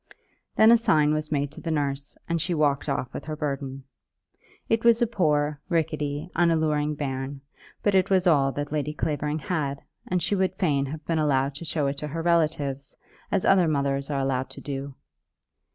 Then a sign was made to the nurse, and she walked off with her burden. It was a poor, rickety, unalluring bairn, but it was all that Lady Clavering had, and she would fain have been allowed to show it to her relatives, as other mothers are allowed to do.